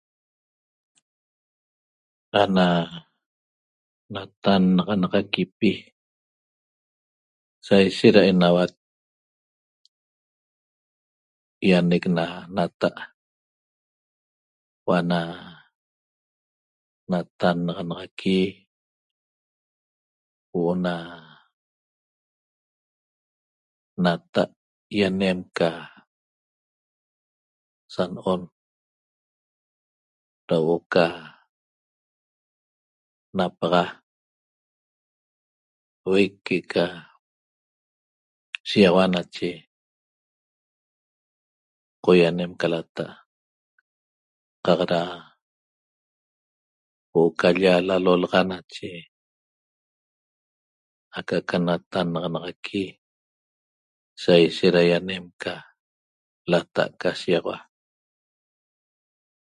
Ana natannaxanaxaquipi sa ishet da enauac ýanec na nata' huo' ana natannaxanaxaqui huo'o na nata' ýanem ca san'on da huo'o ca napaxa uec que'eca shiýaxaua nache qoianem ca lata' qaq da huo'o ca l-lla lalolaxa nache aca'aca natannaxanaxaqui saishet da ýanem ca lata' ca shiýaxaua